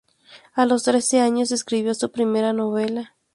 A los trece años escribió su primera novela.